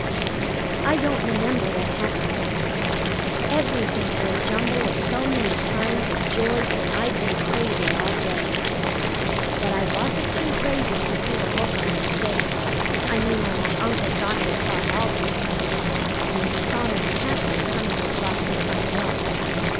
I don't remember what happened next. Everything is a jumble of so many kinds of joys that I've been crazy all day. But I wasn't too crazy to see the look on his face, I mean on my Uncle Dr. Parke Alden's face, when he saw Miss Katherine coming across the front yard.